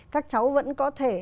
các cháu vẫn có thể